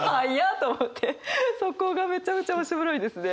そこがめちゃめちゃ面白いですね。